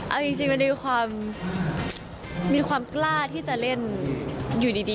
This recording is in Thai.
เอาจริงมันมีความกล้าที่จะเล่นอยู่ดี